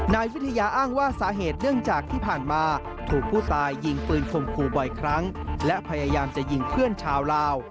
นายวิทยาอ้างว่าสาเหตุเนื่องจากที่ผ่านมาถูกผู้ตายยิงปืนคมคู่บ่อยครั้งและพยายามจะยิงเพื่อนชาวลาว